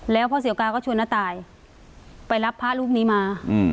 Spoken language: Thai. แล้วพ่อเสียวกาก็ชวนน้าตายไปรับพระรูปนี้มา